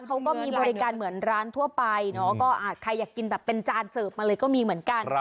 เขาก็มีบริการเหมือนร้านทั่วไปเนาะก็อาจใครอยากกินแบบเป็นจานเสิร์ฟมาเลยก็มีเหมือนกัน